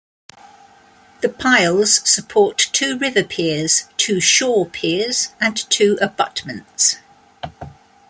The piles support two river piers, two shore piers and two abutments.